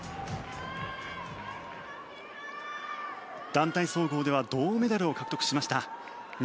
団体総合では銅メダルを獲得しました。